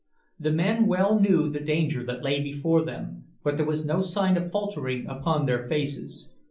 The men well knew the danger that lay before them, but there was no sign of faltering upon their faces.